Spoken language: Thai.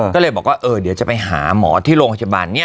ก็เลยบอกว่าเดี๋ยวจะไปหาหมอที่โรงพยาบาลนี้